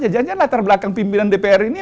ya jangan jangan latar belakang pimpinan dpr ini